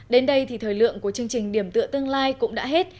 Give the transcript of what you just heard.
đến đây thì thời lượng của chương trình điểm tựa tương lai cũng đã hết